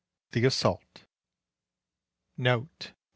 THE ASSAULT NOTE.